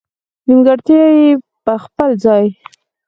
نېمګړتیا یې په خپل ځای.